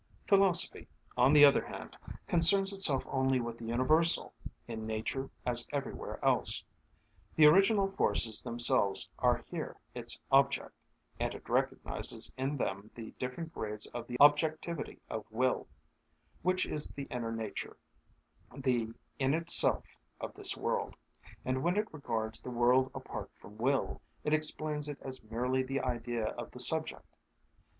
Philosophy, on the other hand, concerns itself only with the universal, in nature as everywhere else. The original forces themselves are here its object, and it recognises in them the different grades of the objectivity of will, which is the inner nature, the "in itself" of this world; and when it regards the world apart from will, it explains it as merely the idea of the subject.